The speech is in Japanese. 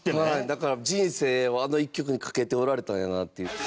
だから人生を、あの１局に懸けておられたんやなっていう。